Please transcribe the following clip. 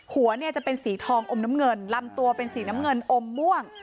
หัวเนี่ยจะเป็นสีทองอมน้ำเงินลำตัวเป็นสีน้ำเงินอมม่วง